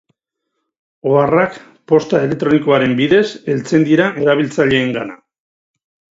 Oharrak posta elektronikoaren bidez heltzen dira erabiltzaileengana.